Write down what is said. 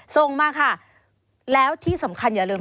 ส่งมาค่ะแล้วที่สำคัญอย่าลืม